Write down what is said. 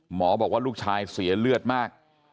บอกว่าลูกชายเสียเลือดมาก